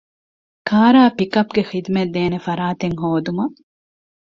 ކާރާއި ޕިކަޕްގެ ޚިދުމަތްދޭނެ ފަރާތެއް ހޯދުމަށް